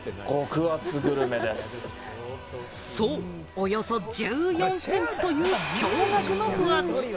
およそ１４センチという驚がくの分厚さ。